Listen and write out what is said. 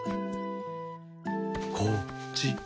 こっち。